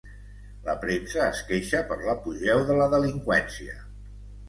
La premsa es queixa per l'apogeu de la delinqüència.